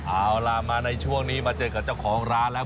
เอาล่ะมาในช่วงนี้มาเจอกับเจ้าของร้านแล้ว